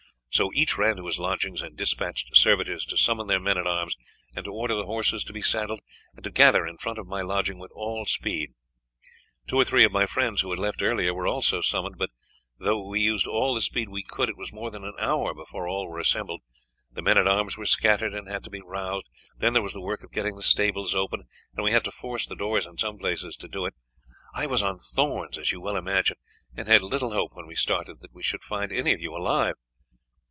So each ran to his lodgings and despatched servitors to summon their men at arms, and to order the horses to be saddled, and to gather in front of my lodging with all speed. Two or three of my friends who had left earlier were also summoned; but though we used all the speed we could it was more than an hour before all were assembled. The men at arms were scattered, and had to be roused; then there was the work of getting the stables open, and we had to force the doors in some places to do it. I was on thorns, as you may well imagine, and had little hope when we started that we should find any of you alive.